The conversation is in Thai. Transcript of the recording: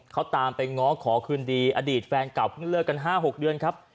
เขาตามไปง้อขอคืนดีอดีตแฟนเก่าเพิ่งเลิกกัน๕๖เดือนครับ